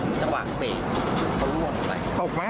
ข้างนี่หวังเบยเขาตรงเปล่อนลงไป